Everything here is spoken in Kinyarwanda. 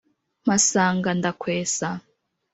mpasanga ndakwesa